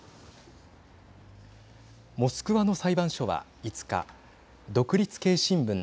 モスクワの裁判所は５日独立系新聞